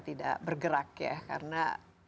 tidak bergerak ya karena